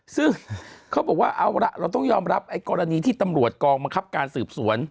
ซึ่งเขาบอกว่าเอาล่ะเราต้องยอมรับไอ้กรณีที่ตำรวจกองบังคับการสืบสวน